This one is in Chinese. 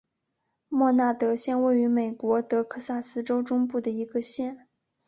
默纳德县位美国德克萨斯州中部的一个县。